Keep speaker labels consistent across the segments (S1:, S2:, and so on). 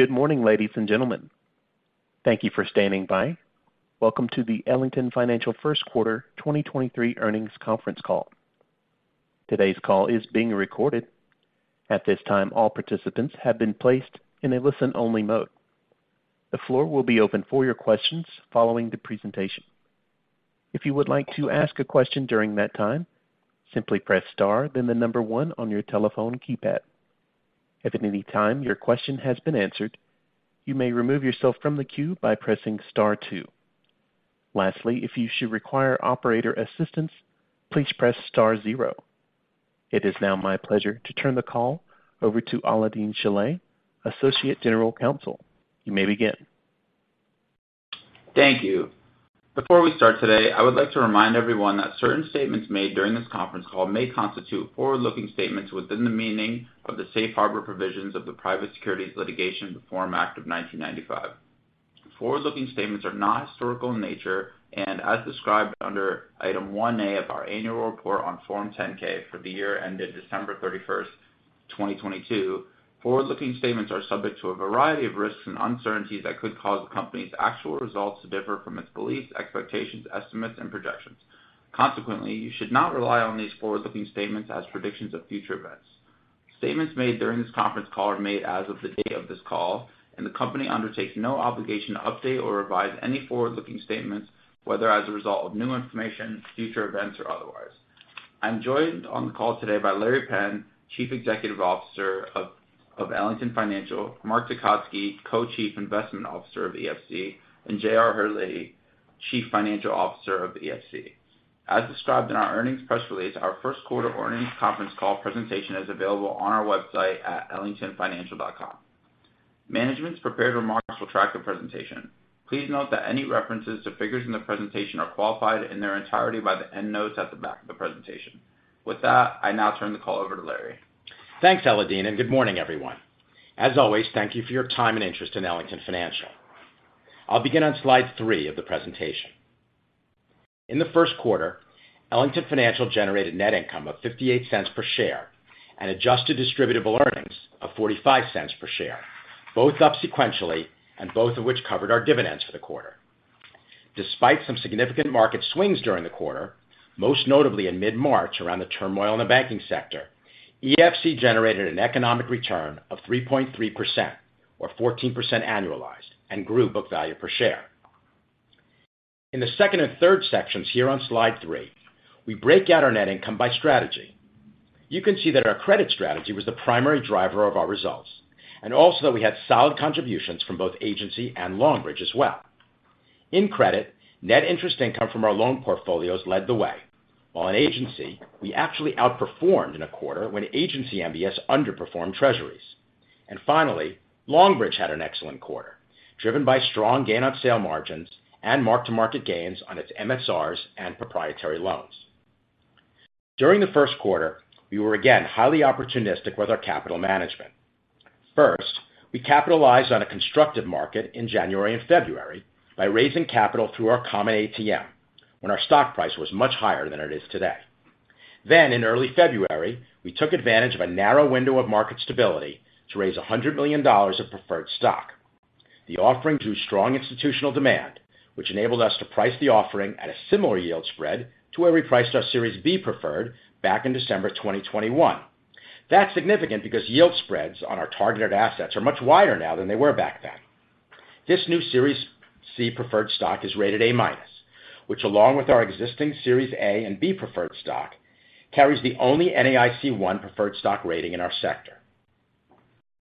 S1: Good morning, ladies and gentlemen. Thank you for standing by. Welcome to the Ellington Financial Q1 2023 Earnings Conference Call. Today's call is being recorded. At this time, all participants have been placed in a listen-only mode. The floor will be open for your questions following the presentation. If you would like to ask a question during that time, simply press Star, then one on your telephone keypad. If at any time your question has been answered, you may remove yourself from the queue by pressing Star two. Lastly, if you should require operator assistance, please press Star zero. It is now my pleasure to turn the call over to Alaael-Deen Shilleh, Associate General Counsel. You may begin.
S2: Thank you. Before we start today, I would like to remind everyone that certain statements made during this conference call may constitute forward-looking statements within the meaning of the Safe Harbor Provisions of the Private Securities Litigation Reform Act of 1995. Forward-looking statements are not historical in nature, as described under Item 1A of our annual report on Form 10-K for the year ended December 31st, 2022. Forward-looking statements are subject to a variety of risks and uncertainties that could cause the company's actual results to differ from its beliefs, expectations, estimates, and projections. Consequently, you should not rely on these forward-looking statements as predictions of future events. Statements made during this conference call are made as of the date of this call, and the company undertakes no obligation to update or revise any forward-looking statements, whether as a result of new information, future events, or otherwise. I'm joined on the call today by Larry Penn, Chief Executive Officer of Ellington Financial, Mark Tecotzky, Co-Chief Investment Officer of EFC, and J.R. Herlihy, Chief Financial Officer of EFC. As described in our earnings press release, our Q1 earnings conference call presentation is available on our website at ellingtonfinancial.com. Management's prepared remarks will track the presentation. Please note that any references to figures in the presentation are qualified in their entirety by the end notes at the back of the presentation. With that, I now turn the call over to Larry.
S3: Thanks, Aladeen. Good morning, everyone. As always, thank you for your time and interest in Ellington Financial. I'll begin on slide three of the presentation. In the Q1, Ellington Financial generated net income of $0.58 per share and Adjusted Distributable Earnings of $0.45 per share, both up sequentially and both of which covered our dividends for the quarter. Despite some significant market swings during the quarter, most notably in mid-March around the turmoil in the banking sector, EFC generated an economic return of 3.3% or 14% annualized and grew book value per share. In the second and third sections here on slide three, we break out our net income by strategy. You can see that our credit strategy was the primary driver of our results. Also, we had solid contributions from both agency and Longbridge as well. In credit, net interest income from our loan portfolios led the way, while in agency we actually outperformed in a quarter when agency MBS underperformed Treasuries. Finally, Longbridge had an excellent quarter, driven by strong gain on sale margins and mark-to-market gains on its MSRs and proprietary loans. During the Q1, we were again highly opportunistic with our capital management. First, we capitalized on a constructive market in January and February by raising capital through our common ATM when our stock price was much higher than it is today. In early February, we took advantage of a narrow window of market stability to raise $100 million of preferred stock. The offering to strong institutional demand, which enabled us to price the offering at a similar yield spread to where we priced our Series B Preferred back in December 2021. That's significant because yield spreads on our targeted assets are much wider now than they were back then. This new Series C Preferred Stock is rated A-, which, along with our existing Series A and Series B Preferred Stock, carries the only NAIC 1 preferred stock rating in our sector.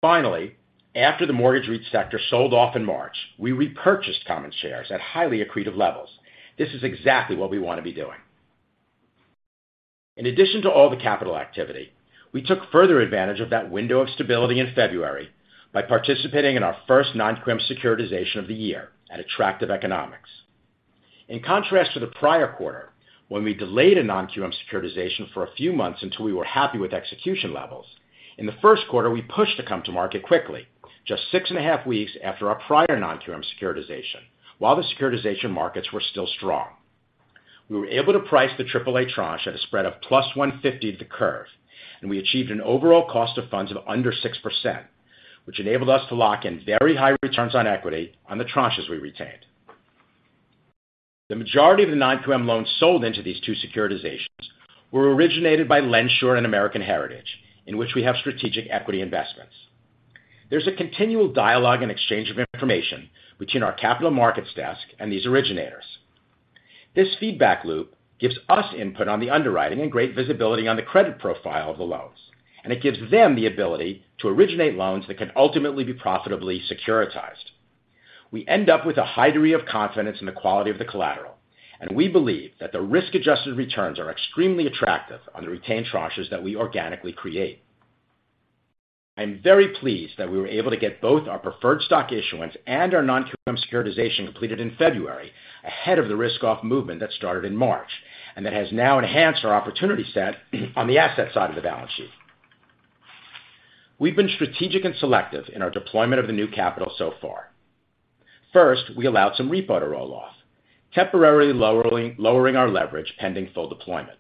S3: Finally, after the mortgage REIT sector sold off in March, we repurchased common shares at highly accretive levels. This is exactly what we want to be doing. In addition to all the capital activity, we took further advantage of that window of stability in February by participating in our first non-QM securitization of the year at attractive economics. In contrast to the prior quarter, when we delayed a non-QM securitization for a few months until we were happy with execution levels. In the Q1, we pushed to come to market quickly, just six and a half weeks after our prior non-QM securitization while the securitization markets were still strong. We were able to price the AAA tranche at a spread of plus 150 to curve, and we achieved an overall cost of funds of under 6%, which enabled us to lock in very high returns on equity on the tranches we retained. The majority of the non-QM loans sold into these two securitizations were originated by LendSure and American Heritage Lending, in which we have strategic equity investments. There's a continual dialogue and exchange of information between our capital markets desk and these originators. This feedback loop gives us input on the underwriting and great visibility on the credit profile of the loans. It gives them the ability to originate loans that can ultimately be profitably securitized. We end up with a high degree of confidence in the quality of the collateral. We believe that the risk-adjusted returns are extremely attractive on the retained tranches that we organically create. I am very pleased that we were able to get both our preferred stock issuance and our non-QM securitization completed in February ahead of the risk off movement that started in March. That has now enhanced our opportunity set on the asset side of the balance sheet. We've been strategic and selective in our deployment of the new capital so far. First, we allowed some repo to roll off, temporarily lowering our leverage pending full deployment.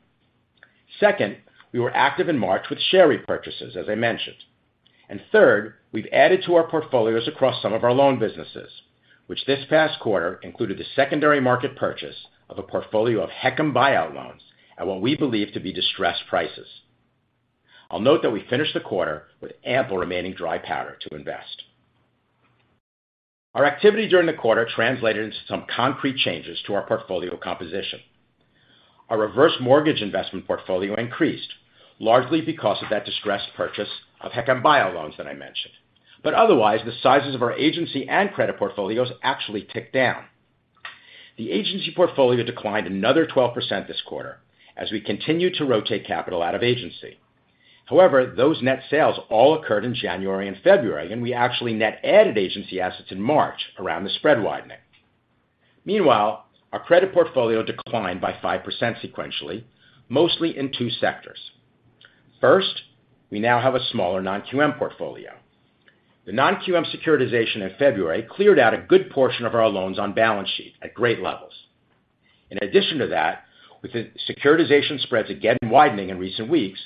S3: Second, we were active in March with share repurchases, as I mentioned. Third, we've added to our portfolios across some of our loan businesses, which this past quarter included the secondary market purchase of a portfolio of HECM buyout loans at what we believe to be distressed prices. I'll note that we finished the quarter with ample remaining dry powder to invest. Our activity during the quarter translated into some concrete changes to our portfolio composition. Our reverse mortgage investment portfolio increased largely because of that distressed purchase of HECM buyout loans that I mentioned. Otherwise, the sizes of our agency and credit portfolios actually ticked down. The agency portfolio declined another 12% this quarter as we continued to rotate capital out of agency. Those net sales all occurred in January and February, and we actually net added agency assets in March around the spread widening. Our credit portfolio declined by 5% sequentially, mostly in two sectors. We now have a smaller non-QM portfolio. The non-QM securitization in February cleared out a good portion of our loans on balance sheet at grade levels. In addition to that, with the securitization spreads again widening in recent weeks,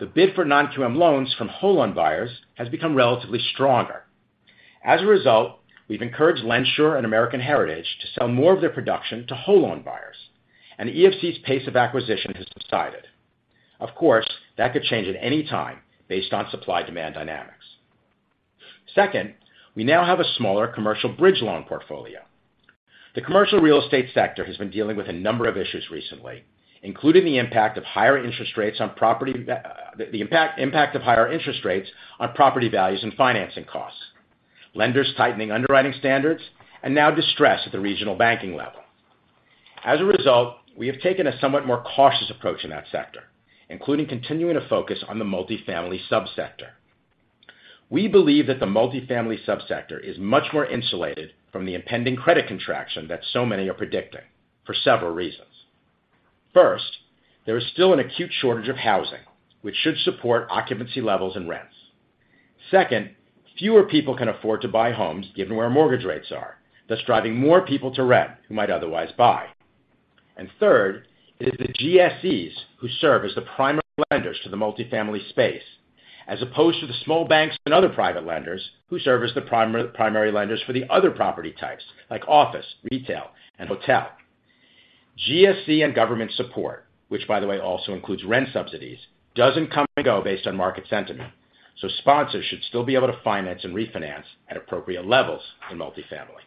S3: the bid for non-QM loans from whole loan buyers has become relatively stronger. As a result, we've encouraged LendSure and American Heritage to sell more of their production to whole loan buyers, and EFC's pace of acquisition has subsided. Of course, that could change at any time based on supply-demand dynamics. We now have a smaller commercial bridge loan portfolio. The commercial real estate sector has been dealing with a number of issues recently, including the impact of higher interest rates on property values and financing costs, lenders tightening underwriting standards and now distress at the regional banking level. As a result, we have taken a somewhat more cautious approach in that sector, including continuing to focus on the multifamily sub-sector. We believe that the multifamily sub-sector is much more insulated from the impending credit contraction that so many are predicting for several reasons. First, there is still an acute shortage of housing, which should support occupancy levels and rents. Second, fewer people can afford to buy homes given where mortgage rates are, thus driving more people to rent who might otherwise buy. Third, it is the GSEs who serve as the primary lenders to the multifamily space, as opposed to the small banks and other private lenders who serve as the primary lenders for the other property types like office, retail, and hotel. GSE and government support, which by the way also includes rent subsidies, doesn't come and go based on market sentiment. Sponsors should still be able to finance and refinance at appropriate levels in multifamily.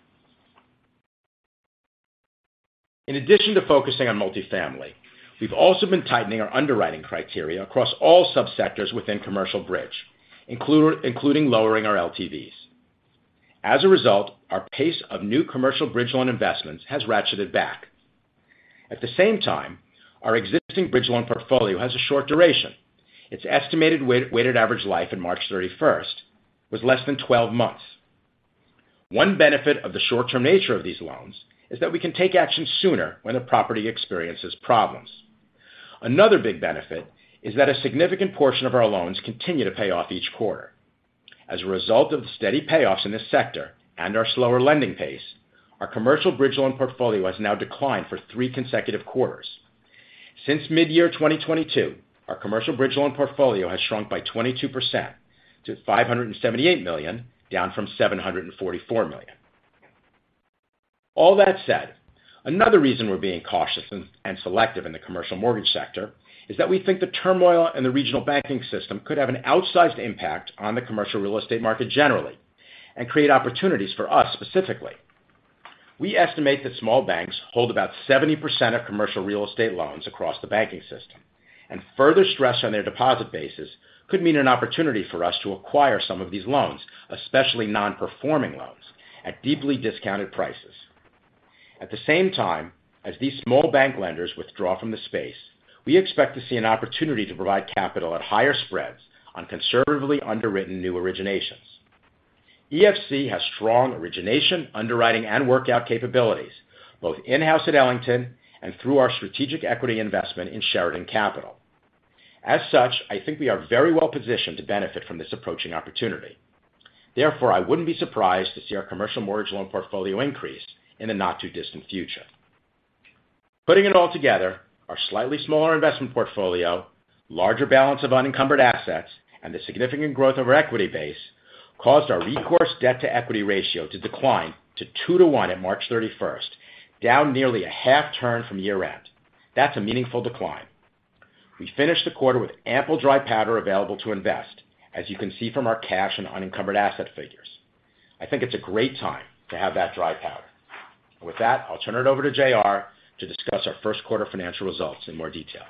S3: In addition to focusing on multifamily, we've also been tightening our underwriting criteria across all sub-sectors within commercial bridge, including lowering our LTVs. As a result, our pace of new commercial bridge loan investments has ratcheted back. At the same time, our existing bridge loan portfolio has a short duration. Its estimated weighted average life in March 31st was less than 12 months. One benefit of the short-term nature of these loans is that we can take action sooner when a property experiences problems. Another big benefit is that a significant portion of our loans continue to pay off each quarter. As a result of the steady payoffs in this sector and our slower lending pace, our commercial bridge loan portfolio has now declined for three consecutive quarters. Since mid-year 2022, our commercial bridge loan portfolio has shrunk by 22% to $578 million, down from $744 million. All that said, another reason we're being cautious and selective in the commercial mortgage sector is that we think the turmoil in the regional banking system could have an outsized impact on the commercial real estate market generally and create opportunities for us specifically. We estimate that small banks hold about 70% of commercial real estate loans across the banking system, and further stress on their deposit bases could mean an opportunity for us to acquire some of these loans, especially non-Performing Loans, at deeply discounted prices. At the same time, as these small bank lenders withdraw from the space, we expect to see an opportunity to provide capital at higher spreads on conservatively underwritten new originations. EFC has strong origination, underwriting, and workout capabilities, both in-house at Ellington and through our strategic equity investment in Sheridan Capital. As such, I think we are very well positioned to benefit from this approaching opportunity. Therefore, I wouldn't be surprised to see our commercial mortgage loan portfolio increase in the not-too-distant future. Putting it all together, our slightly smaller investment portfolio, larger balance of unencumbered assets, and the significant growth of our equity base caused our recourse debt-to-equity ratio to decline to two to one at March 31st, down nearly a half turn from year-end. That's a meaningful decline. We finished the quarter with ample dry powder available to invest, as you can see from our cash and unencumbered asset figures. I think it's a great time to have that dry powder. With that, I'll turn it over to J.R. to discuss our Q1 financial results in more detail.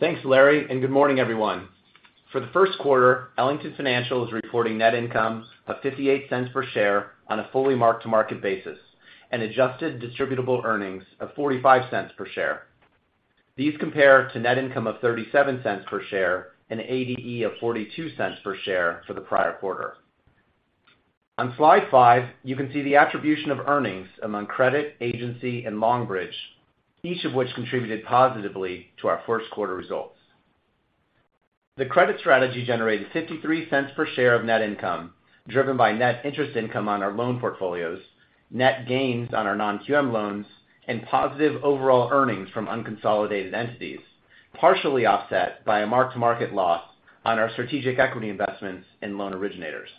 S4: Thanks, Larry. Good morning, everyone. For the Q1, Ellington Financial is reporting net income of $0.58 per share on a fully mark-to-market basis and Adjusted Distributable Earnings of $0.45 per share. These compare to net income of $0.37 per share and ADE of $0.42 per share for the prior quarter. On slide five, you can see the attribution of earnings among credit, agency, and Longbridge, each of which contributed positively to our Q1 results. The credit strategy generated $0.53 per share of net income, driven by net interest income on our loan portfolios, net gains on our non-QM loans, and positive overall earnings from unconsolidated entities, partially offset by a mark-to-market loss on our strategic equity investments in loan originators.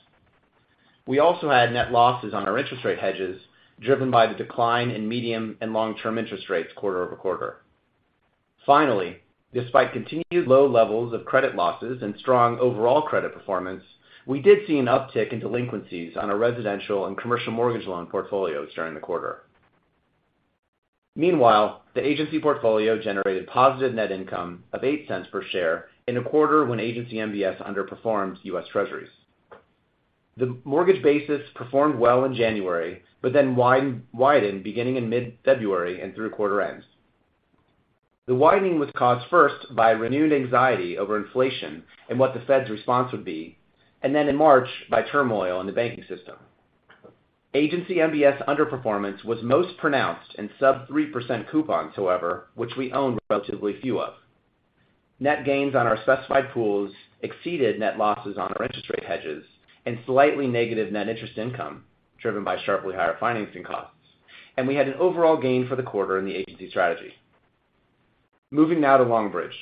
S4: We also had net losses on our interest rate hedges, driven by the decline in medium and long-term interest rates quarter-over-quarter. Finally, despite continued low levels of credit losses and strong overall credit performance, we did see an uptick in delinquencies on our residential and commercial mortgage loan portfolios during the quarter. Meanwhile, the agency portfolio generated positive net income of $0.08 per share in a quarter when agency MBS underperformed U.S. Treasuries. The mortgage basis performed well in January, but then widened beginning in mid-February and through quarter end. The widening was caused first by renewed anxiety over inflation and what the Fed's response would be, and then in March by turmoil in the banking system. Agency MBS underperformance was most pronounced in sub 3% coupons, however, which we own relatively few of. Net gains on our specified pools exceeded net losses on our interest rate hedges and slightly negative net interest income, driven by sharply higher financing costs. We had an overall gain for the quarter in the agency strategy. Moving now to Longbridge Financial.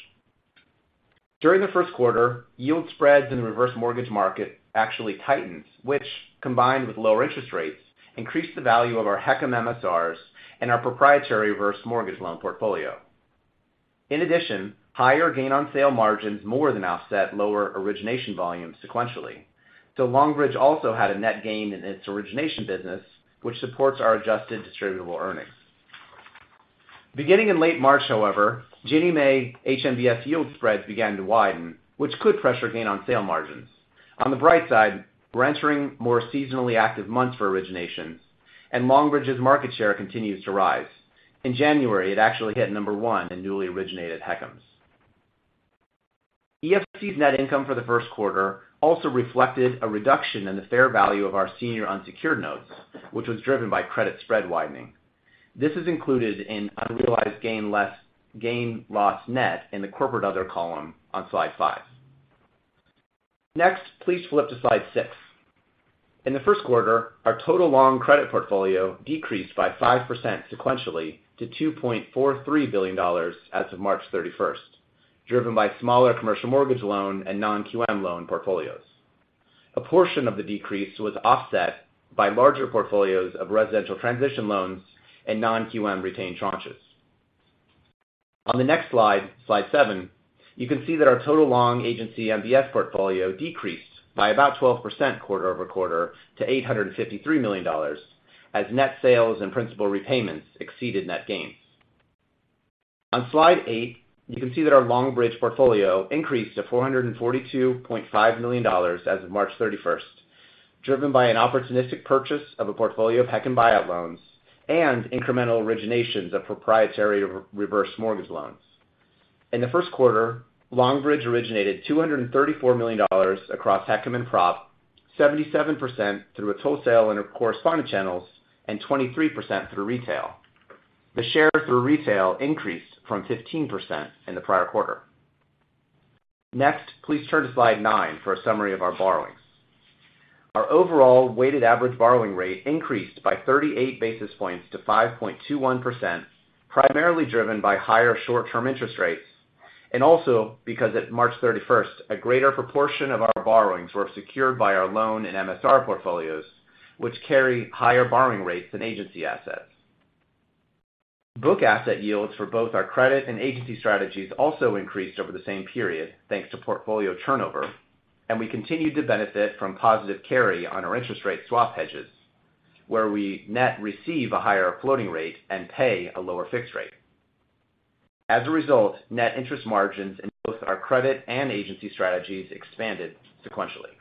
S4: During the Q1, yield spreads in the reverse mortgage market actually tightened, which, combined with lower interest rates, increased the value of our HECM MSRs and our proprietary reverse mortgage loan portfolio. In addition, higher gain on sale margins more than offset lower origination volumes sequentially. Longbridge Financial also had a net gain in its origination business, which supports our Adjusted Distributable Earnings. Beginning in late March, however, Ginnie Mae HMBS yield spreads began to widen, which could pressure gain on sale margins. On the bright side, we're entering more seasonally active months for originations, and Longbridge Financial's market share continues to rise. In January, it actually hit number one in newly originated HECMs. EFC's net income for the Q1 also reflected a reduction in the fair value of our senior unsecured notes, which was driven by credit spread widening. This is included in unrealized gain loss net in the corporate other column on slide five. Please flip to slide six. In the Q1, our total long credit portfolio decreased by 5% sequentially to $2.43 billion as of March 31st, driven by smaller commercial mortgage loan and non-QM loan portfolios. A portion of the decrease was offset by larger portfolios of residential transition loans and non-QM retained tranches. On the next slide seven, you can see that our total long agency MBS portfolio decreased by about 12% quarter-over-quarter to $853 million, as net sales and principal repayments exceeded net gains. On slide eight, you can see that our Longbridge Financial portfolio increased to $442.5 million as of March 31st, driven by an opportunistic purchase of a portfolio of HECM buyout loans and incremental originations of proprietary reverse mortgage loans. In the Q1, Longbridge Financial originated $234 million across HECM and prop, 77% through a wholesale and corresponding channels, and 23% through retail. The share through retail increased from 15% in the prior quarter. Please turn to slide nine for a summary of our borrowings. Our overall weighted average borrowing rate increased by 38 basis points to 5.21%, primarily driven by higher short-term interest rates. Also because at March 31st, a greater proportion of our borrowings were secured by our loan and MSR portfolios, which carry higher borrowing rates than agency assets. Book asset yields for both our credit and agency strategies also increased over the same period, thanks to portfolio turnover. We continued to benefit from positive carry on our interest rate swap hedges, where we net receive a higher floating rate and pay a lower fixed rate. As a result, net interest margins in both our credit and agency strategies expanded sequentially.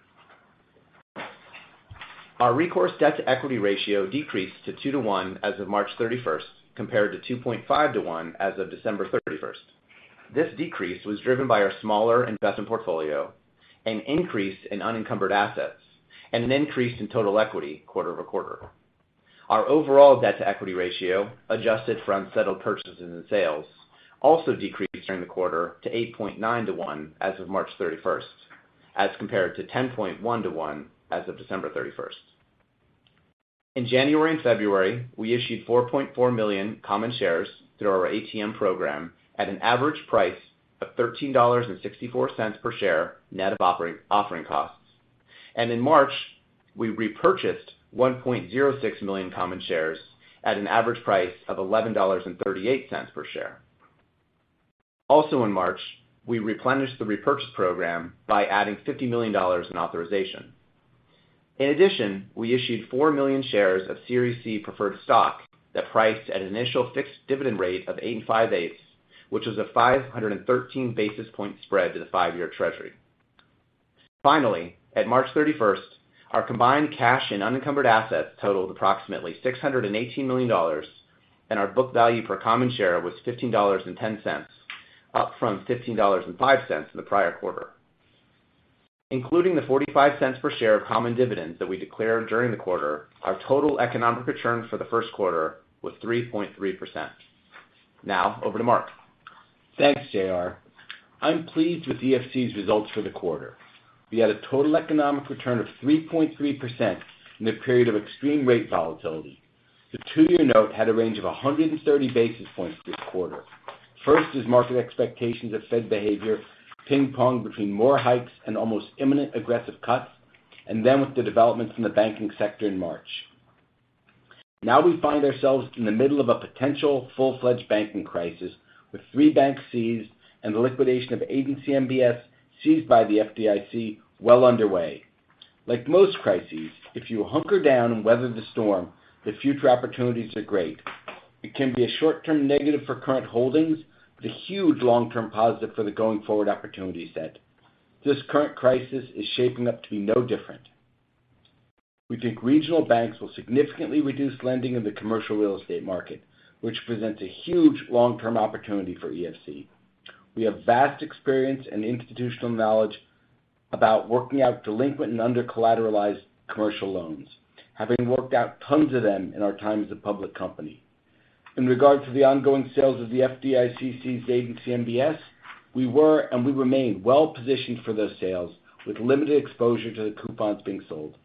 S4: Our recourse debt-to-equity ratio decreased to 2 to 1 as of March 31st, compared to 2.5 to 1 as of December 31st. This decrease was driven by our smaller investment portfolio, an increase in unencumbered assets, and an increase in total equity quarter-over-quarter. Our overall debt-to-equity ratio, adjusted for unsettled purchases and sales, also decreased during the quarter to 8.9 to 1 as of March 31st, as compared to 10.1 to 1 as of December 31st. In January and February, we issued 4.4 million common shares through our ATM program at an average price of $13.64 per share, net of offering costs. In March, we repurchased 1.06 million common shares at an average price of $11.38 per share. Also in March, we replenished the repurchase program by adding $50 million in authorization. We issued 4 million shares of Series C Preferred Stock that priced at an initial fixed dividend rate of 8.625%, which was a 513 basis point spread to the five-year treasury. At March 31, our combined cash and unencumbered assets totaled approximately $618 million, and our book value per common share was $15.10, up from $15.05 in the prior quarter. Including the $0.45 per share of common dividends that we declared during the quarter, our total economic return for the Q1 was 3.3%. Over to Mark.
S5: Thanks, J.R. I'm pleased with EFC's results for the quarter. We had a total economic return of 3.3% in a period of extreme rate volatility. The two-year note had a range of 130 basis points this quarter. First is market expectations of Fed behavior ping-ponged between more hikes and almost imminent aggressive cuts, and then with the developments in the banking sector in March. Now we find ourselves in the middle of a potential full-fledged banking crisis, with three banks seized and the liquidation of agency MBS seized by the FDIC well underway. Like most crises, if you hunker down and weather the storm, the future opportunities are great. It can be a short-term negative for current holdings, but a huge long-term positive for the going-forward opportunity set. This current crisis is shaping up to be no different. We think regional banks will significantly reduce lending in the commercial real estate market, which presents a huge long-term opportunity for EFC. We have vast experience and institutional knowledge about working out delinquent and under-collateralized commercial loans, having worked out tons of them in our time as a public company. In regard to the ongoing sales of the FDIC-seized agency MBS, we were and we remain well-positioned for those sales, with limited exposure to the coupons being sold.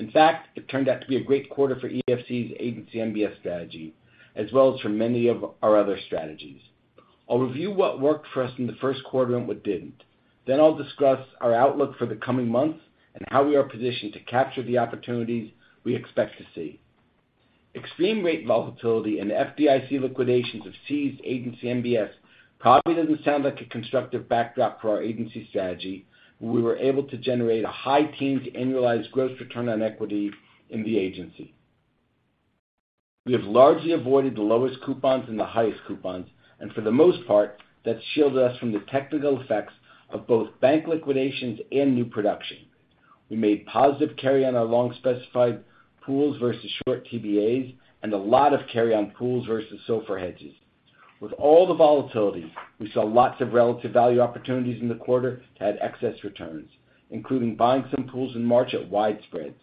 S5: In fact, it turned out to be a great quarter for EFC's agency MBS strategy, as well as for many of our other strategies. I'll review what worked for us in the Q1 and what didn't. I'll discuss our outlook for the coming months and how we are positioned to capture the opportunities we expect to see. Extreme rate volatility and FDIC liquidations of seized agency MBS probably doesn't sound like a constructive backdrop for our agency strategy. We were able to generate a high-teen to annualized gross return on equity in the agency. We have largely avoided the lowest coupons and the highest coupons, and for the most part, that shielded us from the technical effects of both bank liquidations and new production. We made positive carry on our long-specified pools versus short TBAs and a lot of carry on pools versus SOFR hedges. With all the volatility, we saw lots of relative value opportunities in the quarter to add excess returns, including buying some pools in March at wide spreads.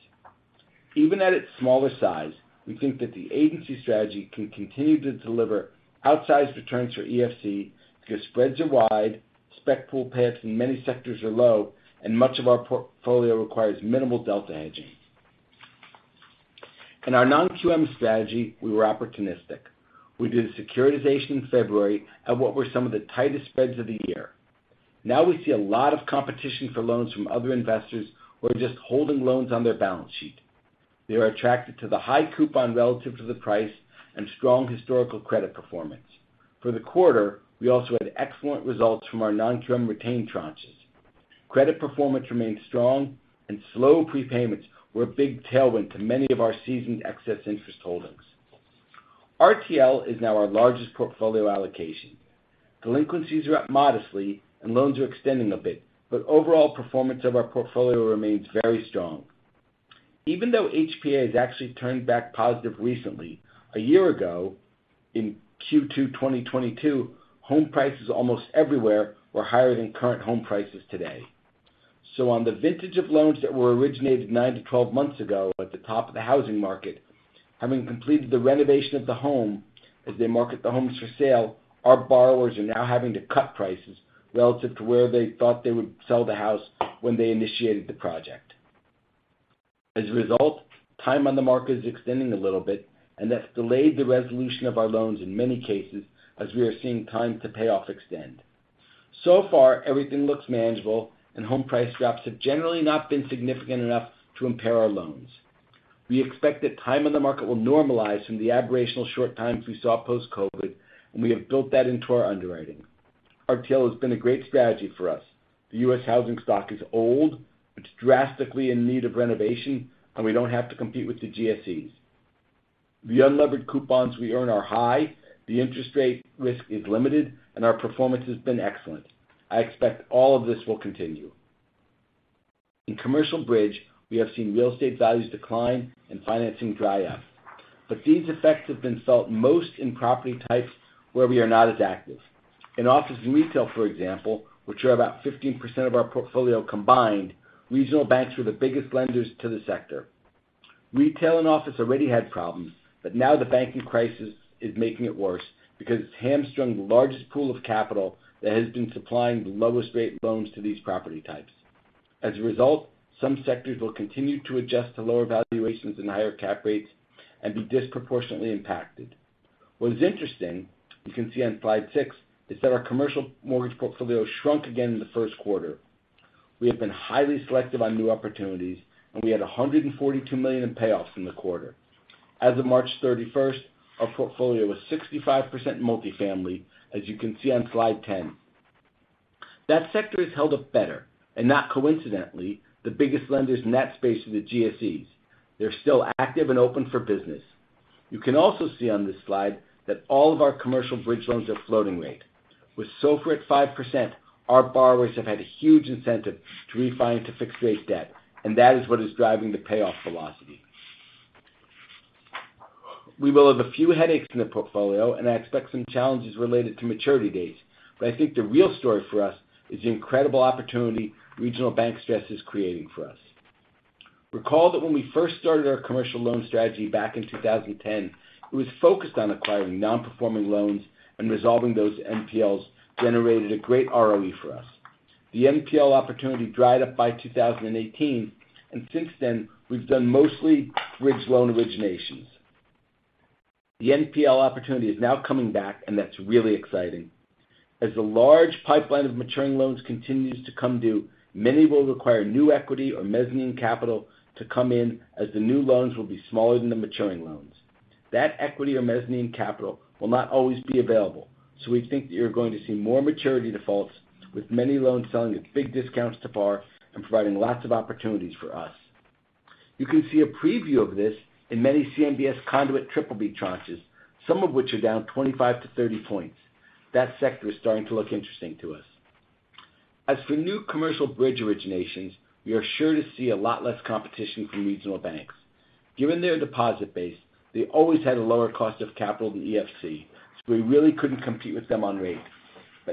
S5: Even at its smaller size, we think that the agency strategy can continue to deliver outsized returns for EFC because spreads are wide, spec pool pay-ups in many sectors are low, and much of our portfolio requires minimal delta hedging. In our non-QM strategy, we were opportunistic. We did a securitization in February at what were some of the tightest spreads of the year. We see a lot of competition for loans from other investors who are just holding loans on their balance sheet. They are attracted to the high coupon relative to the price and strong historical credit performance. For the quarter, we also had excellent results from our non-term retained tranches. Credit performance remained strong, slow prepayments were a big tailwind to many of our seasoned excess interest holdings. RTL is now our largest portfolio allocation. Delinquencies are up modestly and loans are extending a bit, but overall performance of our portfolio remains very strong. Even though HPA has actually turned back positive recently, a year ago, in Q2 2022, home prices almost everywhere were higher than current home prices today. On the vintage of loans that were originated nine to 12 months ago at the top of the housing market, having completed the renovation of the home as they market the homes for sale, our borrowers are now having to cut prices relative to where they thought they would sell the house when they initiated the project. As a result, time on the market is extending a little bit, and that's delayed the resolution of our loans in many cases as we are seeing time to payoff extend. So far, everything looks manageable, and home price drops have generally not been significant enough to impair our loans. We expect that time on the market will normalize from the aberrational short times we saw post-COVID, and we have built that into our underwriting. RTL has been a great strategy for us. The U.S. housing stock is old, it's drastically in need of renovation, and we don't have to compete with the GSEs. The unlevered coupons we earn are high, the interest rate risk is limited, and our performance has been excellent. I expect all of this will continue. In commercial bridge, we have seen real estate values decline and financing dry up, but these effects have been felt most in property types where we are not as active. In office and retail, for example, which are about 15% of our portfolio combined, regional banks were the biggest lenders to the sector. Retail and office already had problems. Now the banking crisis is making it worse because it's hamstrung the largest pool of capital that has been supplying the lowest rate loans to these property types. As a result, some sectors will continue to adjust to lower valuations and higher cap rates and be disproportionately impacted. What is interesting, you can see on slide six, is that our commercial mortgage portfolio shrunk again in the Q1. We have been highly selective on new opportunities. We had $142 million in payoffs in the quarter. As of March 31st, our portfolio was 65% multifamily, as you can see on slide 10. That sector has held up better, and not coincidentally, the biggest lenders in that space are the GSEs. They're still active and open for business. You can also see on this slide that all of our commercial bridge loans are floating rate. With SOFR at 5%, our borrowers have had a huge incentive to refine to fixed rate debt, and that is what is driving the payoff velocity. We will have a few headaches in the portfolio, and I expect some challenges related to maturity dates. I think the real story for us is the incredible opportunity regional bank stress is creating for us. Recall that when we first started our commercial loan strategy back in 2010, it was focused on acquiring non-performing loans and resolving those NPLs generated a great ROE for us. The NPL opportunity dried up by 2018. Since then, we've done mostly bridge loan originations. The NPL opportunity is now coming back. That's really exciting. As the large pipeline of maturing loans continues to come due, many will require new equity or mezzanine capital to come in as the new loans will be smaller than the maturing loans. That equity or mezzanine capital will not always be available. We think that you're going to see more maturity defaults with many loans selling at big discounts to par and providing lots of opportunities for us. You can see a preview of this in many CMBS conduit BBB tranches, some of which are down 25-30 points. That sector is starting to look interesting to us. As for new commercial bridge originations, we are sure to see a lot less competition from regional banks. Given their deposit base, they always had a lower cost of capital than EFC, so we really couldn't compete with them on rates.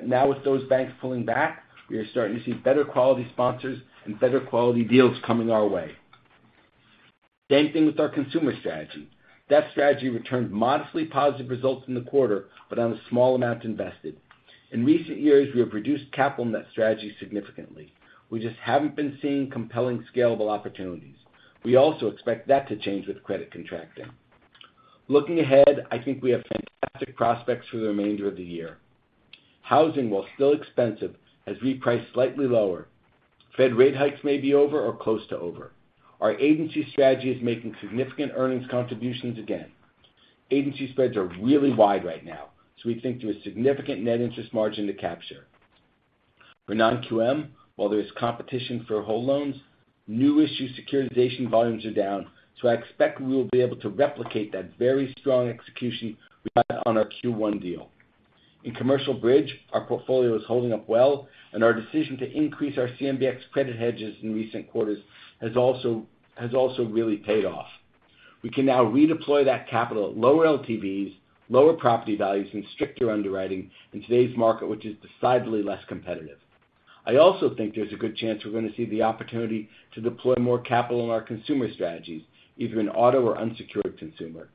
S5: Now with those banks pulling back, we are starting to see better quality sponsors and better quality deals coming our way. Same thing with our consumer strategy. That strategy returned modestly positive results in the quarter, but on a small amount invested. In recent years, we have reduced capital in that strategy significantly. We just haven't been seeing compelling, scalable opportunities. We also expect that to change with credit contracting. Looking ahead, I think we have fantastic prospects for the remainder of the year. Housing, while still expensive, has repriced slightly lower. Fed rate hikes may be over or close to over. Our agency strategy is making significant earnings contributions again. Agency spreads are really wide right now. We think there's significant net interest margin to capture. For non-QM, while there is competition for whole loans, new issue securitization volumes are down, so I expect we will be able to replicate that very strong execution we had on our Q1 deal. In commercial bridge, our portfolio is holding up well, and our decision to increase our CMBS credit hedges in recent quarters has also really paid off. We can now redeploy that capital at lower LTVs, lower property values, and stricter underwriting in today's market, which is decidedly less competitive. I also think there's a good chance we're going to see the opportunity to deploy more capital in our consumer strategies, either in auto or unsecured consumer.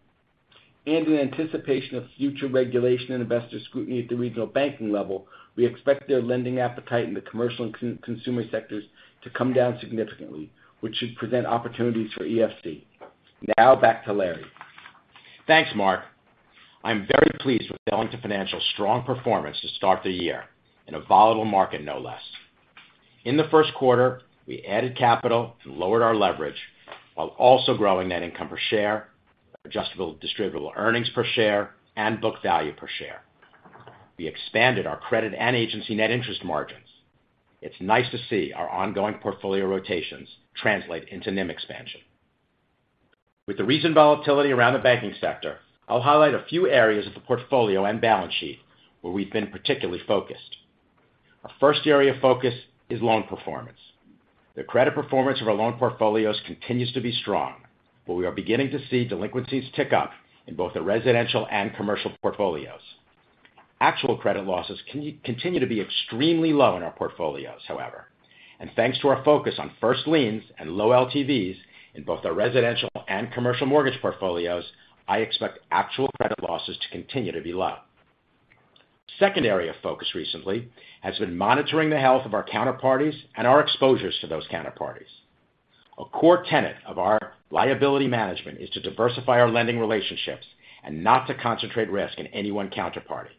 S5: In anticipation of future regulation and investor scrutiny at the regional banking level, we expect their lending appetite in the commercial and consumer sectors to come down significantly, which should present opportunities for EFC. Now back to Larry.
S3: Thanks, Mark. I'm very pleased with Ellington Financial's strong performance to start the year in a volatile market, no less. In the Q1, we added capital and lowered our leverage while also growing net income per share, Adjusted Distributable Earnings per share, and book value per share. We expanded our credit and agency net interest margins. It's nice to see our ongoing portfolio rotations translate into NIM expansion. With the recent volatility around the banking sector, I'll highlight a few areas of the portfolio and balance sheet where we've been particularly focused. Our 1st area of focus is loan performance. The credit performance of our loan portfolios continues to be strong, but we are beginning to see delinquencies tick up in both the residential and commercial portfolios. Actual credit losses continue to be extremely low in our portfolios, however. Thanks to our focus on first liens and low LTVs in both our residential and commercial mortgage portfolios, I expect actual credit losses to continue to be low. Second area of focus recently has been monitoring the health of our counterparties and our exposures to those counterparties. A core tenet of our liability management is to diversify our lending relationships and not to concentrate risk in any one counterparty.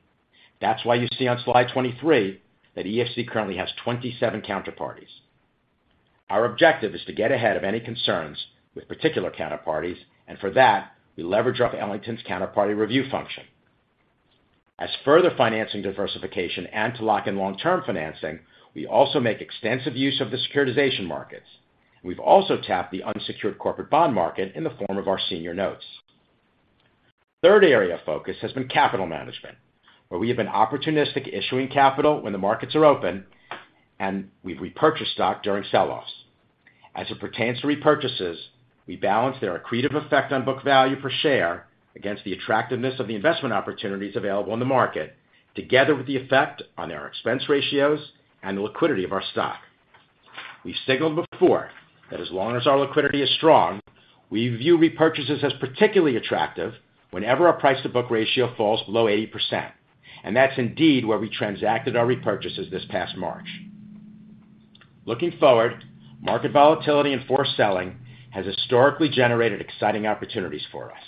S3: That's why you see on slide 23 that EFC currently has 27 counterparties. Our objective is to get ahead of any concerns with particular counterparties, and for that, we leverage off Ellington's counterparty review function. As further financing diversification and to lock in long-term financing, we also make extensive use of the securitization markets. We've also tapped the unsecured corporate bond market in the form of our senior notes. Third area of focus has been capital management, where we have been opportunistic issuing capital when the markets are open, and we've repurchased stock during sell-offs. As it pertains to repurchases, we balance their accretive effect on book value per share against the attractiveness of the investment opportunities available in the market, together with the effect on our expense ratios and the liquidity of our stock. We signaled before that as long as our liquidity is strong, we view repurchases as particularly attractive whenever our price-to-book ratio falls below 80%, and that's indeed where we transacted our repurchases this past March. Looking forward, market volatility and forced selling has historically generated exciting opportunities for us.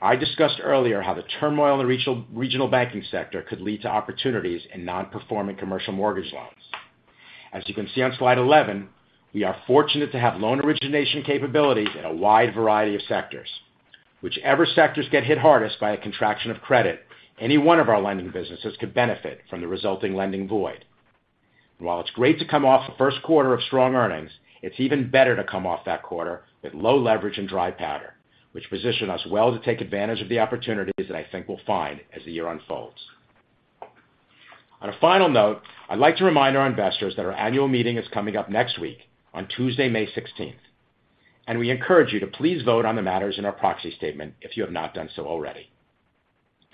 S3: I discussed earlier how the turmoil in the regional banking sector could lead to opportunities in non-performing commercial mortgage loans. As you can see on slide 11, we are fortunate to have loan origination capabilities in a wide variety of sectors. Whichever sectors get hit hardest by a contraction of credit, any one of our lending businesses could benefit from the resulting lending void. While it's great to come off a Q1 of strong earnings, it's even better to come off that quarter with low leverage and dry powder, which position us well to take advantage of the opportunities that I think we'll find as the year unfolds. On a final note, I'd like to remind our investors that our annual meeting is coming up next week on Tuesday, May 16th. We encourage you to please vote on the matters in our proxy statement if you have not done so already.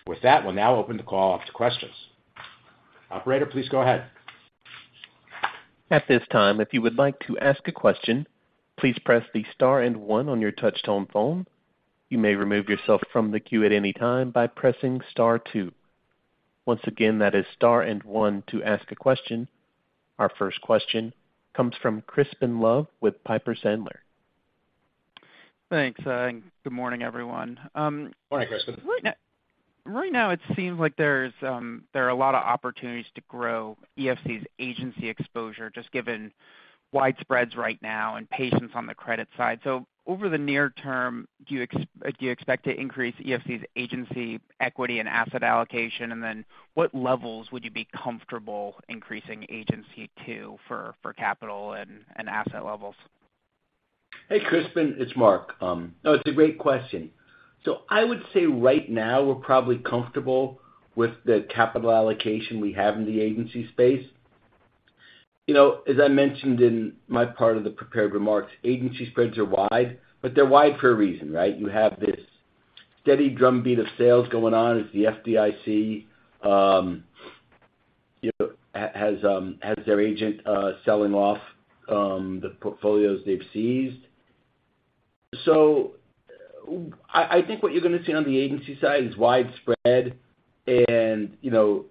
S3: With that, we'll now open the call up to questions. Operator, please go ahead.
S1: At this time, if you would like to ask a question, please press the star and one on your touchtone phone. You may remove yourself from the queue at any time by pressing star two. Once again, that is star and one to ask a question. Our first question comes from Crispin Love with Piper Sandler.
S6: Thanks, good morning, everyone.
S3: Morning, Crispin.
S6: Right now it seems like there are a lot of opportunities to grow EFC's agency exposure just given widespreads right now and patience on the credit side. Over the near term, do you expect to increase EFC's agency equity and asset allocation? What levels would you be comfortable increasing agency to for capital and asset levels?
S5: Hey Crispin, it's Mark. No, it's a great question. I would say right now we're probably comfortable with the capital allocation we have in the agency space. You know, as I mentioned in my part of the prepared remarks, agency spreads are wide, but they're wide for a reason, right? You have this steady drumbeat of sales going on as the FDIC, you know, has their agent selling off the portfolios they've seized. I think what you're gonna see on the agency side is widespread and, you know,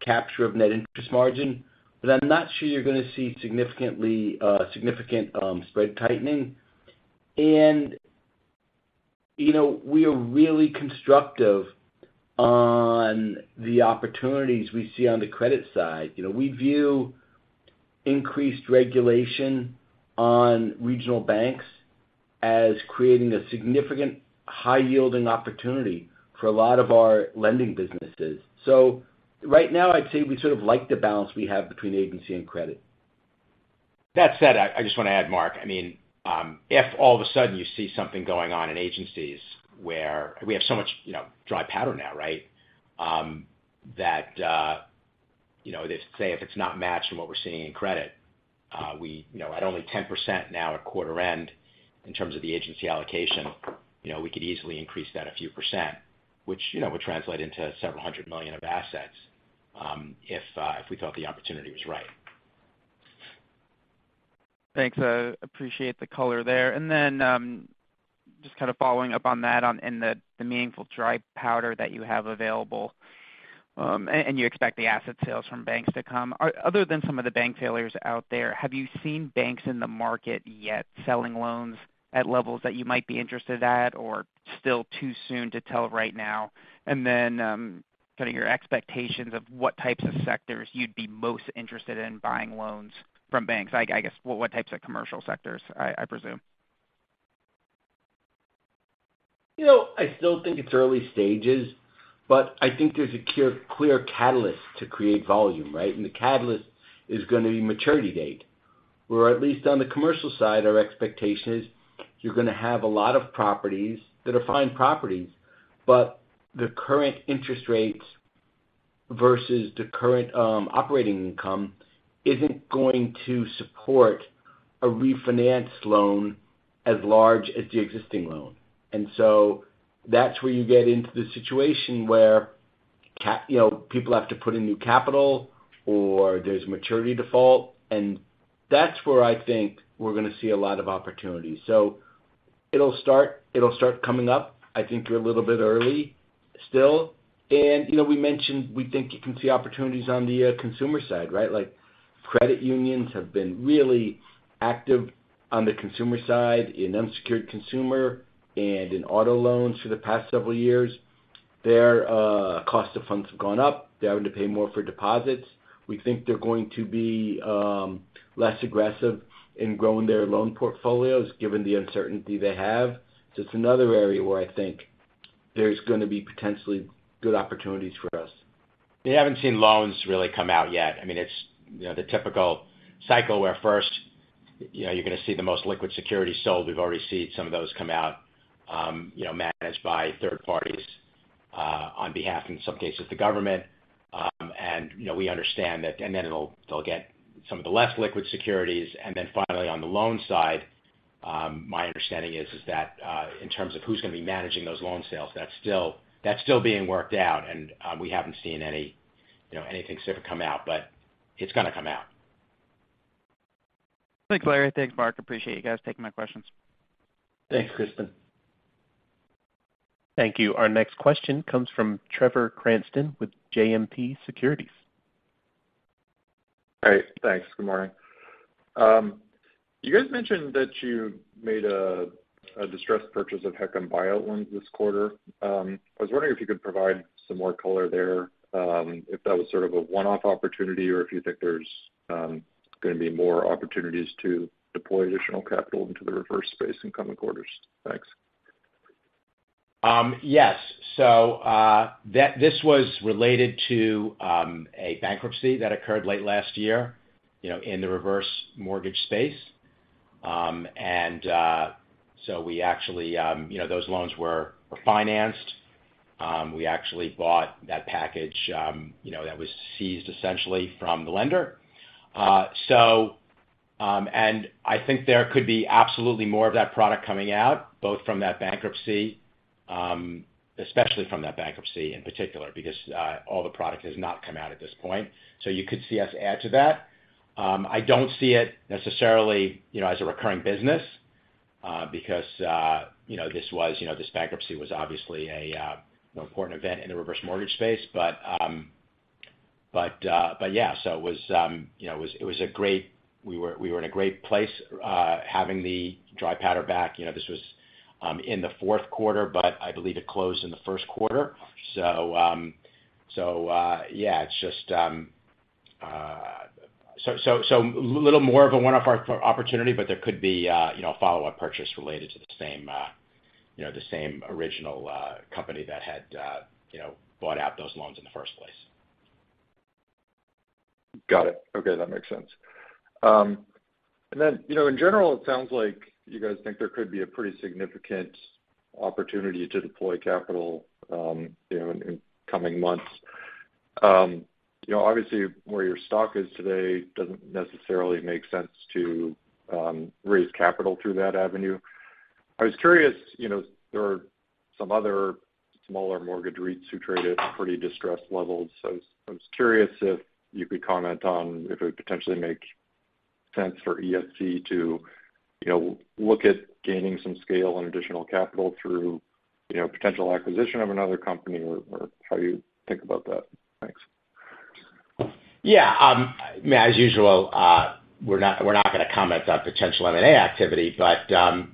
S5: capture of net interest margin, but I'm not sure you're gonna see significantly significant spread tightening. You know, we are really constructive on the opportunities we see on the credit side. You know, we view increased regulation on regional banks as creating a significant high yielding opportunity for a lot of our lending businesses. Right now I'd say we sort of like the balance we have between agency and credit.
S3: That said, I just wanna add, Mark, I mean, if all of a sudden you see something going on in agencies where we have so much, you know, dry powder now, right? That, you know, they say if it's not matched in what we're seeing in credit, we, you know, at only 10% now at quarter end in terms of the agency allocation, you know, we could easily increase that a few percent, which, you know, would translate into $ several hundred million of assets, if we thought the opportunity was right.
S6: Thanks. Appreciate the color there. Just kind of following up on that, in the meaningful dry powder that you have available, and you expect the asset sales from banks to come. Other than some of the bank failures out there, have you seen banks in the market yet selling loans at levels that you might be interested at or still too soon to tell right now? Kind of your expectations of what types of sectors you'd be most interested in buying loans from banks, I guess what types of commercial sectors I presume?
S5: You know, I still think it's early stages, but I think there's a clear catalyst to create volume, right? The catalyst is gonna be maturity date, where at least on the commercial side, our expectation is you're gonna have a lot of properties that are fine properties, but the current interest rates versus the current operating income isn't going to support a refinanced loan as large as the existing loan. That's where you get into the situation where you know, people have to put in new capital or there's maturity default, and that's where I think we're gonna see a lot of opportunities. It'll start, it'll start coming up. I think you're a little bit early still. You know, we mentioned we think you can see opportunities on the consumer side, right? Like, credit unions have been really active on the consumer side in unsecured consumer and in auto loans for the past several years. Their cost of funds have gone up. They're having to pay more for deposits. We think they're going to be less aggressive in growing their loan portfolios given the uncertainty they have. It's another area where I think there's gonna be potentially good opportunities for us.
S3: We haven't seen loans really come out yet. I mean, it's, you know, the typical cycle where first, you know, you're gonna see the most liquid securities sold. We've already seen some of those come out, you know, managed by third parties, on behalf, in some cases, the government. You know, we understand that. They'll get some of the less liquid securities. Finally, on the loan side, my understanding is that, in terms of who's gonna be managing those loan sales, that's still being worked out and, we haven't seen any, you know, anything significant come out, but it's gonna come out.
S6: Thanks, Larry. Thanks, Mark. Appreciate you guys taking my questions.
S5: Thanks, Crispin.
S1: Thank you. Our next question comes from Trevor Cranston with JMP Securities.
S7: All right. Thanks. Good morning. You guys mentioned that you made a distressed purchase of HECM buyout loans this quarter. I was wondering if you could provide some more color there, if that was sort of a one-off opportunity or if you think there's gonna be more opportunities to deploy additional capital into the reverse space in coming quarters. Thanks.
S3: Yes. This was related to a bankruptcy that occurred late last year, you know, in the reverse mortgage space. We actually, you know, those loans were financed. We actually bought that package, you know, that was seized essentially from the lender. I think there could be absolutely more of that product coming out, both from that bankruptcy, especially from that bankruptcy in particular, because, all the product has not come out at this point. You could see us add to that. I don't see it necessarily, you know, as a recurring business, because, you know, this was, you know, this bankruptcy was obviously an important event in the reverse mortgage space. But yeah. It was, you know, we were in a great place having the dry powder back. You know, this was in the Q4. I believe it closed in the Q1. Little more of a one-off opportunity, but there could be, you know, a follow-up purchase related to the same, you know, the same original company that had, you know, bought out those loans in the first place.
S7: Got it. Okay. That makes sense. You know, in general, it sounds like you guys think there could be a pretty significant opportunity to deploy capital, you know, in coming months. You know, obviously where your stock is today doesn't necessarily make sense to raise capital through that avenue. I was curious, you know, there are some other smaller mortgage REITs who traded at pretty distressed levels. I was curious if you could comment on if it would potentially make sense for EFC to, you know, look at gaining some scale and additional capital through, you know, potential acquisition of another company or how you think about that. Thanks.
S3: Yeah. As usual, we're not gonna comment on potential M&A activity.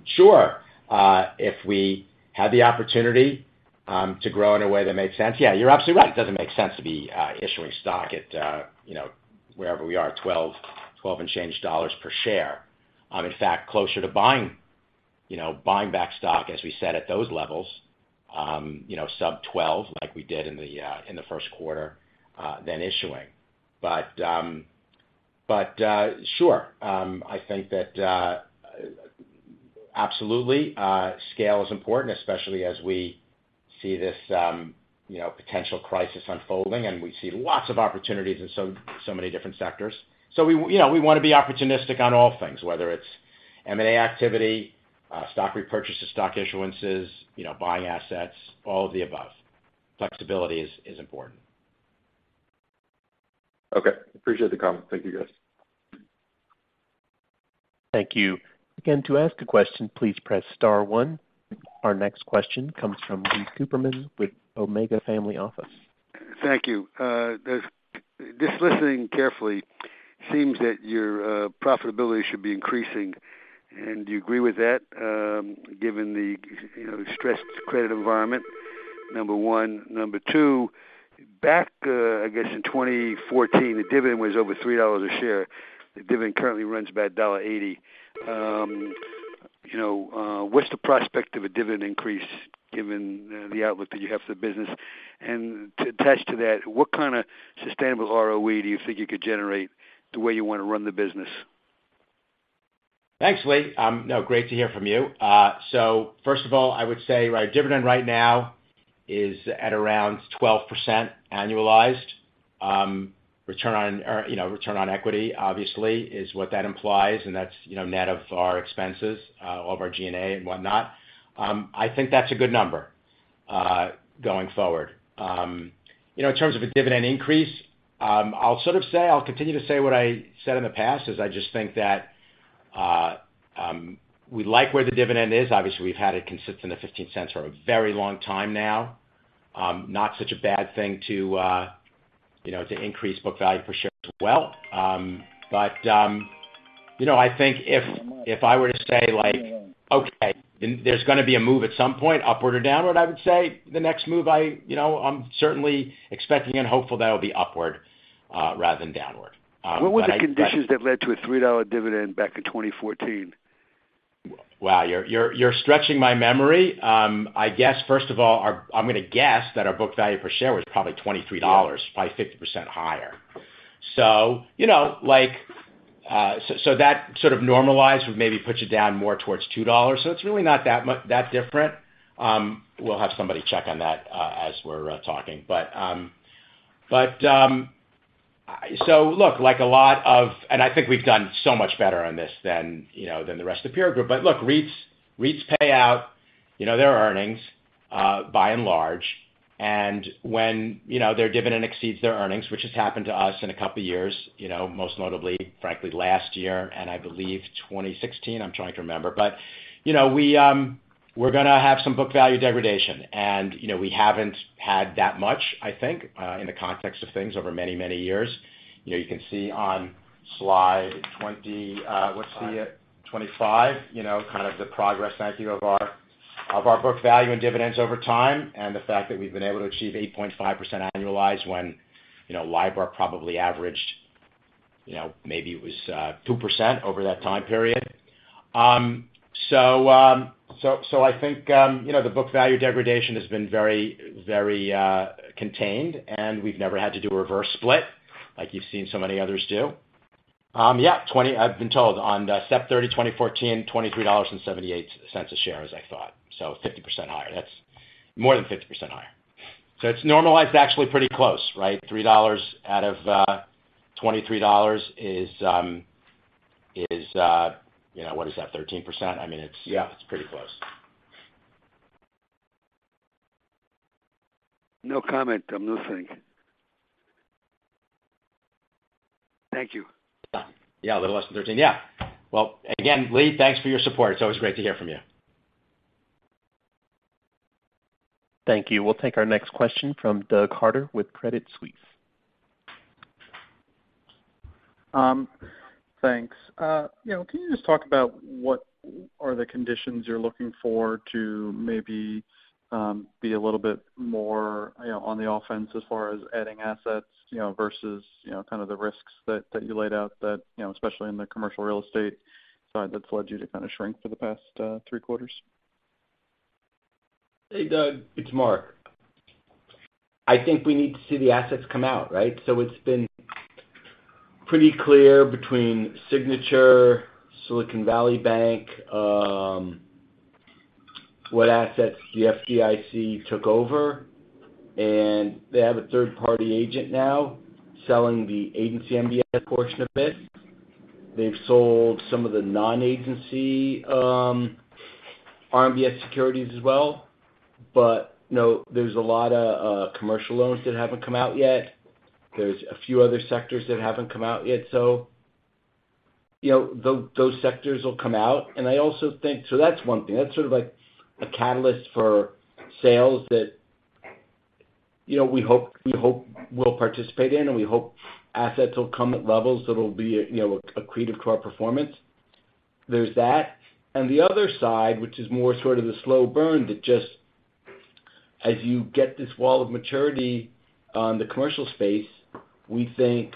S3: Sure, if we had the opportunity to grow in a way that made sense. Yeah, you're absolutely right. It doesn't make sense to be issuing stock at, you know, wherever we are, 12 and change dollars per share. In fact, closer to buying back stock, as we said at those levels, you know, sub-12 like we did in the Q1 than issuing. Sure. I think that absolutely, scale is important, especially as we see this, you know, potential crisis unfolding, we see lots of opportunities in so many different sectors. We, you know, we wanna be opportunistic on all things, whether it's M&A activity, stock repurchase to stock issuances, you know, buying assets, all of the above. Flexibility is important.
S7: Okay. Appreciate the comment. Thank you, guys.
S1: Thank you. Again, to ask a question, please press Star One. Our next question comes from Lee Cooperman with Omega Family Office.
S8: Thank you. Just listening carefully, seems that your profitability should be increasing. Do you agree with that, you know, given the stressed credit environment, number one? Number two, back, I guess in 2014, the dividend was over $3 a share. The dividend currently runs about $1.80. You know, what's the prospect of a dividend increase given the outlook that you have for the business? To attach to that, what kind of sustainable ROE do you think you could generate the way you wanna run the business?
S3: Thanks, Lee. No, great to hear from you. First of all, I would say our dividend right now is at around 12% annualized, you know, return on equity obviously is what that implies, and that's, you know, net of our expenses, all of our G&A and whatnot. I think that's a good number, going forward. You know, in terms of a dividend increase, I'll sort of say, I'll continue to say what I said in the past, is I just think that we like where the dividend is. Obviously, we've had it consistent at $0.15 for a very long time now. Not such a bad thing to, you know, to increase book value per share as well. You know, I think if I were to say like, okay, there's gonna be a move at some point upward or downward, I would say the next move I, you know, I'm certainly expecting and hopeful that it'll be upward, rather than downward.
S8: What were the conditions that led to a $3 dividend back in 2014?
S3: Wow, you're stretching my memory. I guess first of all, I'm gonna guess that our book value per share was probably $23, probably 50% higher. You know, like, that sort of normalized would maybe put you down more towards $2. It's really not that different. We'll have somebody check on that as we're talking. Look, like a lot of... I think we've done so much better on this than, you know, than the rest of the peer group. Look, REITs pay out, you know, their earnings by and large. When, you know, their dividend exceeds their earnings, which has happened to us in a couple of years, you know, most notably, frankly last year and I believe 2016, I'm trying to remember. You know, we're gonna have some book value degradation. You know, we haven't had that much, I think, in the context of things over many, many years. You know, you can see on slide 25, you know, kind of the progress, thank you, of our, of our book value and dividends over time, and the fact that we've been able to achieve 8.5% annualized when, you know, LIBOR probably averaged, you know, maybe it was 2% over that time period. I think, you know, the book value degradation has been very contained, and we've never had to do a reverse split like you've seen so many others do. Yeah, I've been told on September 30, 2014, $23.78 a share, as I thought. 50% higher. That's more than 50% higher. It's normalized actually pretty close, right? $3 out of $23 is, you know, what is that, 13%? I mean,
S8: Yeah.
S3: It's pretty close.
S8: No comment. I'm listening. Thank you.
S3: Yeah. Yeah, a little less than 13. Yeah. Well, again, Lee, thanks for your support. It's always great to hear from you.
S1: Thank you. We'll take our next question from Doug Harter with Credit Suisse.
S9: Thanks. You know, can you just talk about what are the conditions you're looking for to maybe be a little bit more, you know, on the offense as far as adding assets, you know, versus, you know, kind of the risks that you laid out that, you know, especially in the commercial real estate side, that's led you to kind of shrink for the past three quarters?
S5: Hey, Doug, it's Mark. I think we need to see the assets come out, right? It's been pretty clear between Signature, Silicon Valley Bank, what assets the FDIC took over, and they have a third-party agent now selling the agency MBS portion of it. They've sold some of the non-agency RMBS securities as well. You know, there's a lot of commercial loans that haven't come out yet. There's a few other sectors that haven't come out yet, so, you know, those sectors will come out. I also think. That's one thing. That's sort of like a catalyst for sales that, you know, we hope we'll participate in, and we hope assets will come at levels that'll be, you know, accretive to our performance. There's that. The other side, which is more sort of the slow burn that just as you get this wall of maturity on the commercial space, we think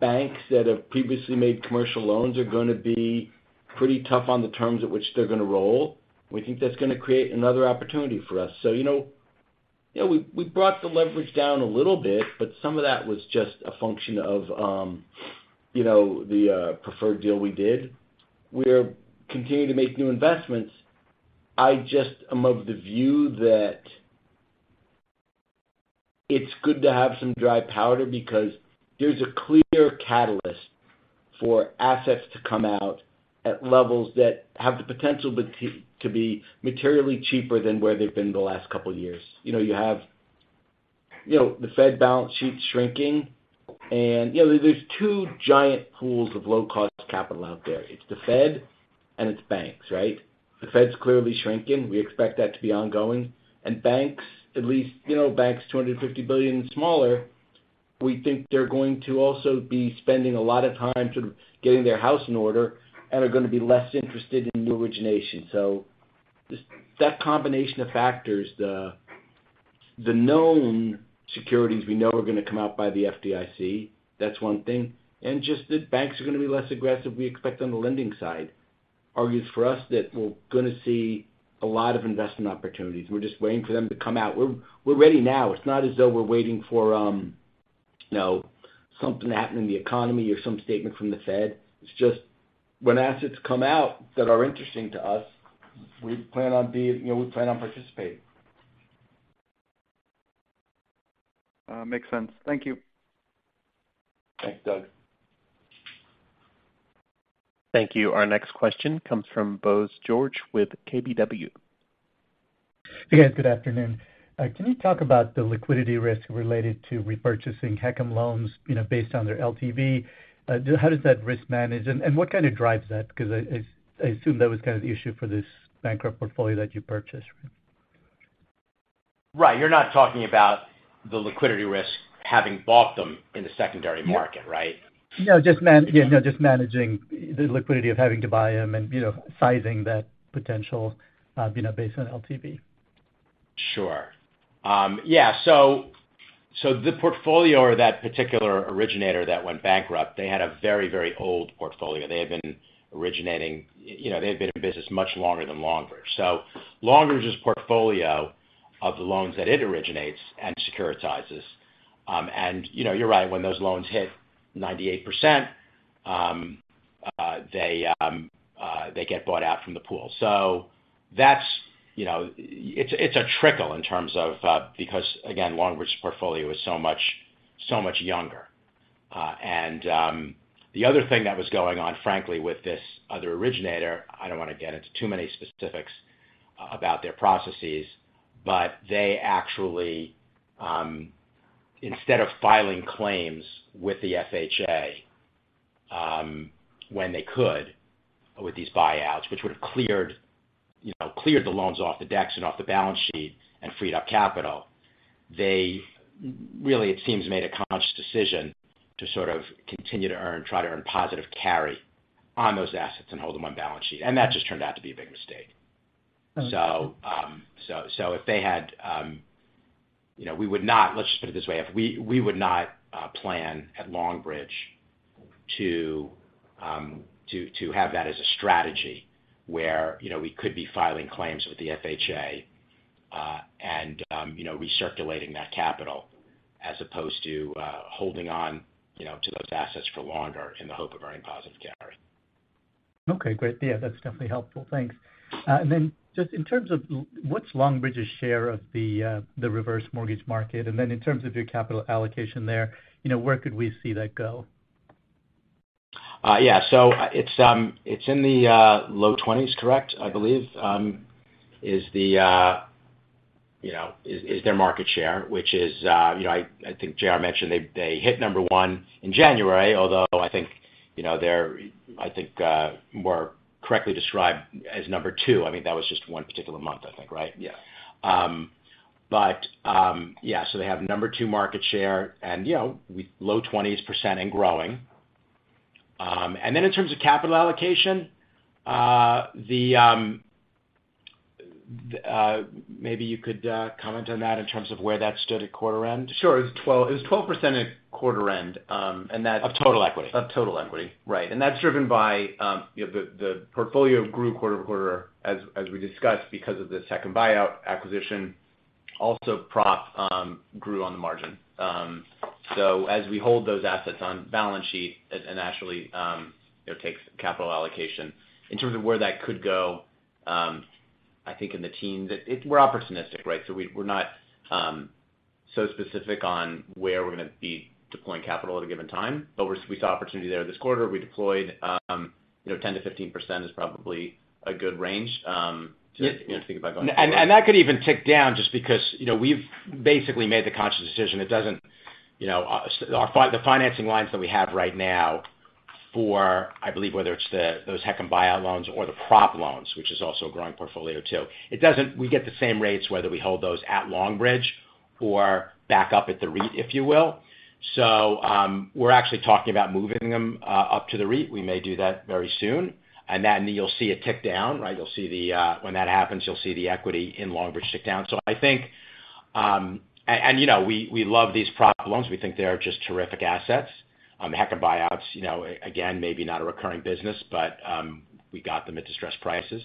S5: banks that have previously made commercial loans are gonna be pretty tough on the terms at which they're gonna roll. We think that's gonna create another opportunity for us. You know, we brought the leverage down a little bit, but some of that was just a function of, you know, the preferred deal we did. We're continuing to make new investments. I just am of the view that it's good to have some dry powder because there's a clear catalyst for assets to come out at levels that have the potential to be materially cheaper than where they've been the last couple years. You know, you have the Fed balance sheet shrinking. You know, there's two giant pools of low-cost capital out there. It's the Fed and it's banks, right? The Fed's clearly shrinking. We expect that to be ongoing. Banks, at least, you know, banks $250 billion and smaller, we think they're going to also be spending a lot of time sort of getting their house in order and are gonna be less interested in new origination. Just that combination of factors, the known securities we know are gonna come out by the FDIC, that's one thing. Just that banks are gonna be less aggressive, we expect on the lending side, argues for us that we're gonna see a lot of investment opportunities. We're just waiting for them to come out. We're ready now. It's not as though we're waiting for, you know, something to happen in the economy or some statement from the Fed. It's just when assets come out that are interesting to us, you know, we plan on participating.
S9: makes sense. Thank you.
S5: Thanks, Doug.
S1: Thank you. Our next question comes from Bose George with KBW.
S10: Hey, guys. Good afternoon. Can you talk about the liquidity risk related to repurchasing HECM loans, you know, based on their LTV? How does that risk manage, and what kind of drives that? I assume that was kind of the issue for this bankrupt portfolio that you purchased.
S5: Right. You're not talking about the liquidity risk having bought them in the secondary market, right?
S10: No, just Yeah. No, just managing the liquidity of having to buy them and, you know, sizing that potential, you know, based on LTV.
S3: Sure. Yeah. So the portfolio or that particular originator that went bankrupt, they had a very old portfolio. They have been originating... You know, they've been in business much longer than Longbridge. Longbridge's portfolio of the loans that it originates and securitizes, and you know, you're right, when those loans hit 98%, they get bought out from the pool. That's, you know... It's, it's a trickle in terms of... Because, again, Longbridge's portfolio is so much younger. The other thing that was going on, frankly, with this other originator, I don't wanna get into too many specifics, about their processes, but they actually, instead of filing claims with the FHA, when they could with these buyouts, which would have cleared, you know, cleared the loans off the decks and off the balance sheet and freed up capital, they really, it seems, made a conscious decision to sort of continue to try to earn positive carry on those assets and hold them on balance sheet. That just turned out to be a big mistake.
S10: Okay.
S3: so if they had You know, let's just put it this way. If we would not plan at Longbridge Financial to have that as a strategy where, you know, we could be filing claims with the FHA, and, you know, recirculating that capital as opposed to holding on, you know, to those assets for longer in the hope of earning positive carry.
S10: Okay, great. Yeah, that's definitely helpful. Thanks. Just in terms of what's Longbridge Financial's share of the reverse mortgage market? In terms of your capital allocation there, you know, where could we see that go?
S3: Yeah, it's in the low 20s, correct, I believe, is the, you know, is their market share, which is, you know, I think J.R. mentioned they hit number one in January, although I think, you know, they're, I think, more correctly described as number two. I mean, that was just one particular month, I think, right?
S4: Yeah.
S3: They have number 2 market share and, you know, low 20% and growing. In terms of capital allocation, maybe you could comment on that in terms of where that stood at quarter end.
S4: Sure. It was 12. It was 12% at quarter end.
S3: Of total equity.
S4: Of total equity, right. That's driven by, you know, the portfolio grew quarter over quarter as we discussed because of the second buyout acquisition. Also, prop, grew on the margin. As we hold those assets on balance sheet, it naturally, you know, takes capital allocation. In terms of where that could go, I think in the teens. We're opportunistic, right? So we're not, so specific on where we're gonna be deploying capital at a given time, but we saw opportunity there this quarter. We deployed, you know, 10%-15% is probably a good range, to, you know, think about going forward.
S3: That could even tick down just because, you know, we've basically made the conscious decision it doesn't, you know, the financing lines that we have right now for, I believe whether it's the, those HECM buyout loans or the prop loans, which is also a growing portfolio too. We get the same rates whether we hold those at Longbridge Financial or back up at the REIT, if you will. We're actually talking about moving them up to the REIT. We may do that very soon. You'll see it tick down, right? When that happens, you'll see the equity in Longbridge Financial tick down. I think, you know, we love these prop loans. We think they are just terrific assets. The HECM buyouts, you know, again, maybe not a recurring business, but we got them at distressed prices.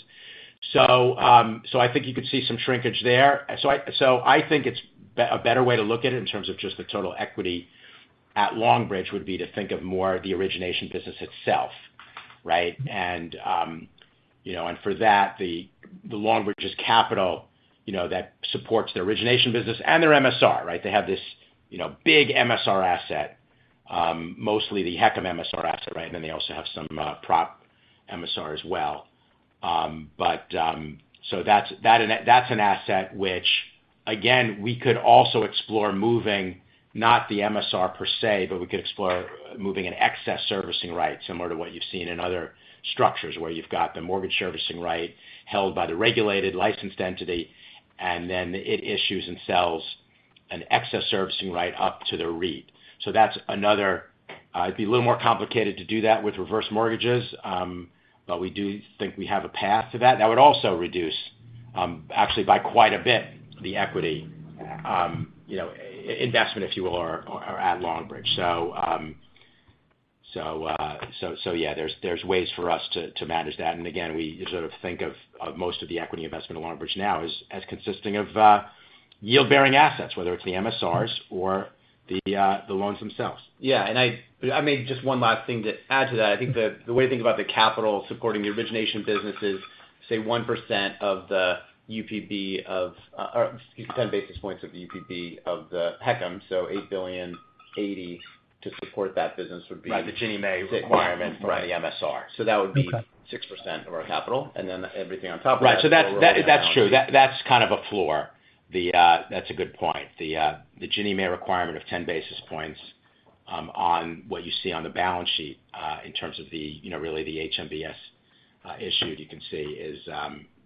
S3: I think you could see some shrinkage there. I think it's a better way to look at it in terms of just the total equity at Longbridge Financial would be to think of more the origination business itself, right? You know, for that, the Longbridge Financial's capital, you know, that supports their origination business and their MSR, right? They have this, you know, big MSR asset, mostly the HECM MSR asset, right? They also have some prop MSR as well. That's that... That's an asset which again, we could also explore moving, not the MSR per se, but we could explore moving an excess servicing right, similar to what you've seen in other structures, where you've got the mortgage servicing right held by the regulated licensed entity, and then it issues and sells an excess servicing right up to the REIT. That's another... It'd be a little more complicated to do that with reverse mortgages, but we do think we have a path to that. That would also reduce, actually by quite a bit, the equity, you know, investment, if you will, or at Longbridge Financial. So yeah, there's ways for us to manage that. Again, we sort of think of most of the equity investment at Longbridge Financial now as consisting of yield-bearing assets, whether it's the MSRs or the loans themselves.
S4: Yeah. Just one last thing to add to that. I think the way to think about the capital supporting the origination business is, say, 1% of the UPB of, or excuse me, 10 basis points of the UPB of the HECM, so $8 billion 80 to support that business.
S3: Right, the Ginnie Mae requirement.
S4: requirements for the MSR. that would be-
S10: Okay.
S4: -6% of our capital, and then everything on top of that-
S3: Right. That's, that's true. That's kind of a floor. The. That's a good point. The, the Ginnie Mae requirement of 10 basis points, on what you see on the balance sheet, in terms of the, you know, really the HMBS, issued, you can see is,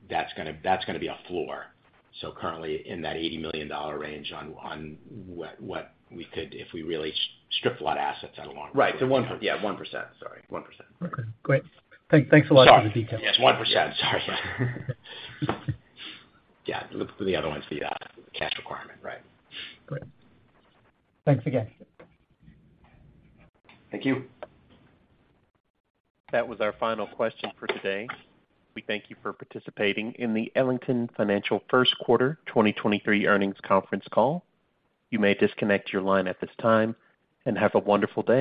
S3: that's gonna be a floor. Currently in that $80 million range on what we could if we really stripped a lot of assets out of Longbridge Financial.
S4: Right. Yeah, 1%. Sorry. 1%.
S10: Okay, great. Thanks a lot for the details.
S3: Sorry. Yes, 1%. Sorry.
S4: Yeah. Yeah. The other one's the cash requirement, right.
S10: Great. Thanks again.
S4: Thank you.
S1: That was our final question for today. We thank you for participating in the Ellington Financial first quarter 2023 earnings conference call. You may disconnect your line at this time, and have a wonderful day.